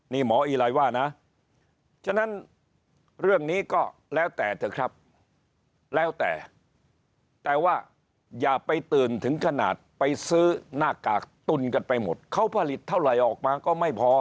นี่หมออีไลว่านะฉะนั้นเรื่องนี้ก็แล้วแต่เถอะครับแล้วแต่แต่ว่าอย่าไปตื่นถึงขนาดไปซื้อหน้ากากตุนกันไปหมดเขาผลิตเท่าไหร่ออกมาก็ไม่พอ